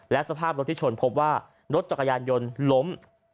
และสภาพรถที่ชนพบว่ารถจักรยานยนต์ล้ม